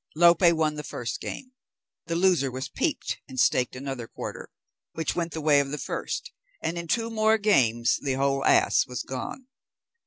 Lope won the first game; the loser was piqued and staked another quarter, which went the way of the first; and in two more games the whole ass was gone.